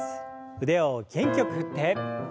腕を元気よく振って。